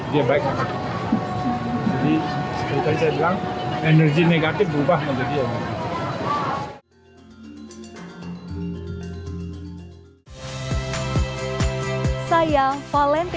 jadi dia baik lagi